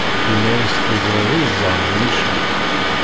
Yenna-yas teẓriḍ iẓẓan di Micli!